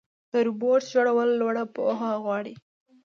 د روبوټ جوړول لوړه پوهه غواړي.